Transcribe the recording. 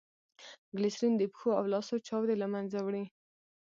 ګلیسرین دپښو او لاسو چاودي له منځه وړي.